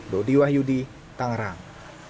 dodi wahyudi tangerang